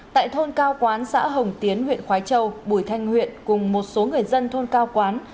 tại thôn cao quán xã hồng tiến huyện khói châu bùi thanh huyện cùng một số người dân thôn cao quán